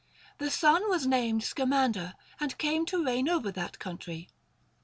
The son was named Scamander, and came to reign over that coun try.